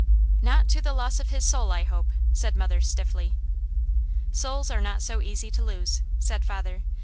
"Not to the loss of his soul, I hope," said mother stiffly. "Souls are not so easy to lose," said father.